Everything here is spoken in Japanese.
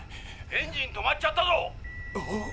エンジン止まっちゃったぞ！